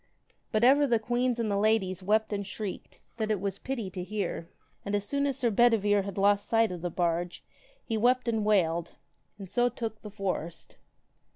But ever the queens and the ladies wept and shrieked, that it was pity to hear. And as soon as Sir Bedivere had lost the sight of the barge, he wept and wailed, and so took the forest.